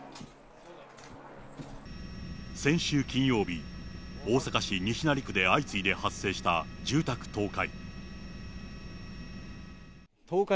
先週金曜日、大阪市西成区で相次いで発生した住宅倒壊。